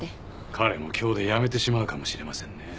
彼も今日で辞めてしまうかもしれませんね。